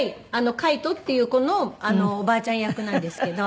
介人っていう子のおばあちゃん役なんですけど。